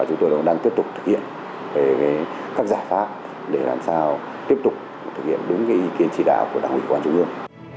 chúng tôi cũng đang tiếp tục thực hiện về các giải pháp để làm sao tiếp tục thực hiện đúng ý kiến chỉ đạo của đảng ủy quản trung ương